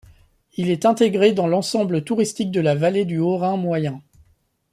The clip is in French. Il est intégré dans l'ensemble touristique de la Vallée du Haut-Rhin moyen.